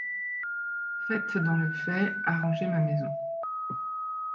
Faites, dans le fait, arranger ma maison.